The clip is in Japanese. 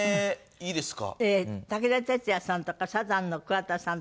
いいですか？